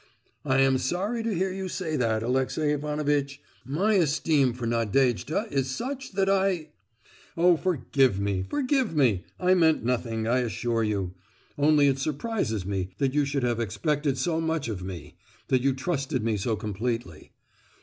"I am sorry to hear you say that, Alexey Ivanovitch. My esteem for Nadejda is such that I——" "Oh, forgive me, forgive me! I meant nothing, I assure you! Only it surprises me that you should have expected so much of me—that you trusted me so completely."